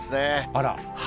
あら。